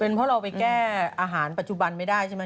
เพราะเราไปแก้อาหารปัจจุบันไม่ได้ใช่ไหม